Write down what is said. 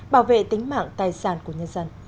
bảo vệ tính mạng tài sản của nhân dân